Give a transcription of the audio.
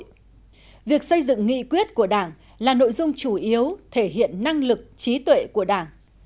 thứ hai đảng xây dựng nghị quyết của đảng là nội dung chủ yếu thể hiện năng lực trí tuệ của đảng